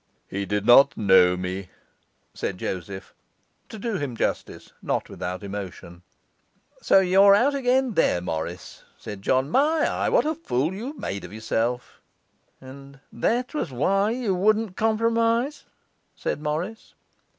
'He did not know me,' said Joseph; to do him justice, not without emotion. 'So you're out again there, Morris,' said John. 'My eye! what a fool you've made of yourself!' 'And that was why you wouldn't compromise,' said Morris.